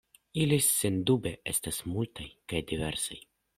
Ili sendube estas multaj kaj diversaj.